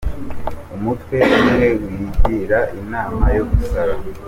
umutwe umwe wigira inama yo gusara